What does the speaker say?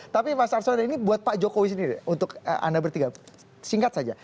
tapi mas arsul ini buat pak jokowi sendiri untuk anda bertiga singkat saja